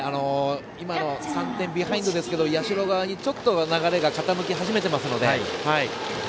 ３点ビハインドですけどちょっと、流れが傾き始めてますので。